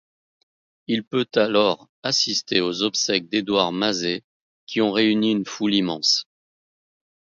Il peut alors assister aux obsèques d'Édouard Mazé qui ont réuni une foule immense.